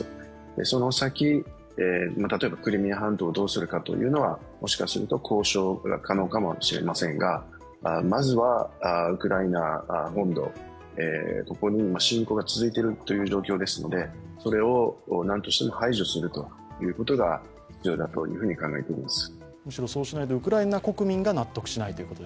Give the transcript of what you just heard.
その先、例えばクリミア半島をどうするかというのはもしかすると交渉が可能かもしれませんが、まずはウクライナ本土、ここに侵攻が続いているという状況ですのでそれを何としても排除するということが必要だと考えております。